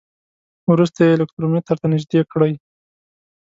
وروسته یې الکترومتر ته نژدې کړئ.